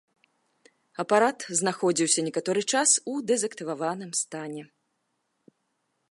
Апарат знаходзіўся некаторы час у дэзактываваным стане.